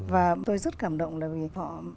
và tôi rất cảm động là vì họ